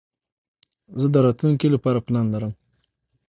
زه د راتلونکي له پاره پلان لرم.